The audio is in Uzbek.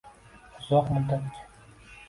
Uzoq muddatga